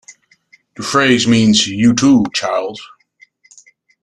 The phrase means You too, child?